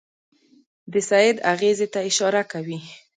د سید اغېزې ته اشاره کوي.